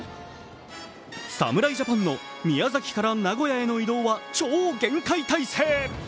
侍ジャパンの宮崎から名古屋への移動は超厳戒態勢。